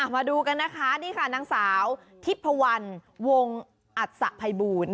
มาดูกันนะคะนี่ค่ะนางสาวทิพพวันวงอัศภัยบูล